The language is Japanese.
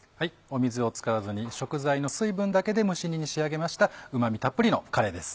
水を使わずに食材の水分だけで蒸し煮に仕上げましたうま味たっぷりのカレーです。